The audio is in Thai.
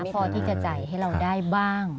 พอที่จะจ่ายให้เราได้บ้าง